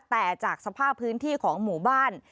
แต่จากสภาพพื้นที่ของหมู่บ้าน